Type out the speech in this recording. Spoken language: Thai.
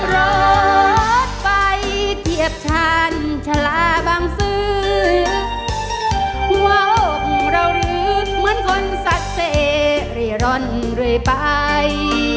รถไปเทียบชาญชาลาบังซื้อว่าพวกเราหลืกเหมือนคนสัตว์เศรียรอนเลยไป